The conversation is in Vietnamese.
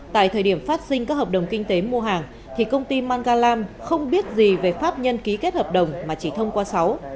tại thời điểm phát sinh các hợp đồng kinh tế mua hàng thì công ty mangalam không biết gì về pháp nhân ký kết hợp đồng mà chỉ thông qua sáu